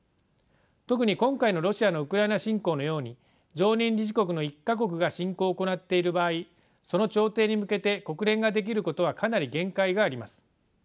特に今回のロシアのウクライナ侵攻のように常任理事国の１か国が侵攻を行っている場合その調停に向けて国連ができることはかなり限界があります。